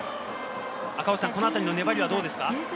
この辺りの粘りはどうですか？